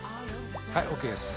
はいＯＫです。